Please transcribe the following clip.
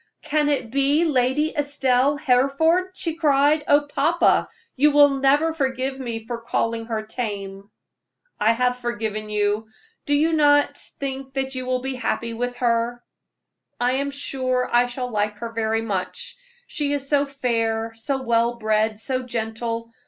"Can it be Lady Estelle Hereford?" she cried. "Oh, papa, you will never forgive me for calling her tame." "I have forgiven you. Do you not think you will be very happy with her?" "I am sure I shall like her very much; she is so fair, so well bred, so gentle.